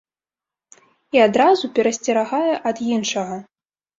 І адразу перасцерагае ад іншага.